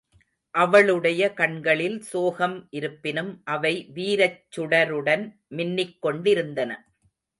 அவளுடைய கண்களில் சோகம் இருப்பினும், அவை வீரச் சுடருடன் மின்னிக் கொண்டிருந்தன.